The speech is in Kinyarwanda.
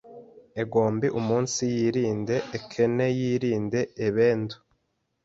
egombe umunsiyirinde ekeneyirinde ebend